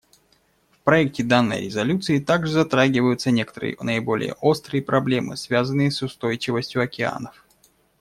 В проекте данной резолюции также затрагиваются некоторые наиболее острые проблемы, связанные с устойчивостью океанов.